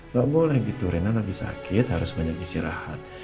gak boleh gitu reina lagi sakit harus banyak istirahat